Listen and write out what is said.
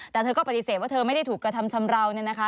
แต่เธอก็ปฏิเสธว่าเธอไม่ได้ถูกกระทำชำราวเนี่ยนะคะ